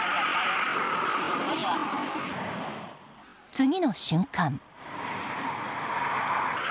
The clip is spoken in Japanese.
次の瞬間。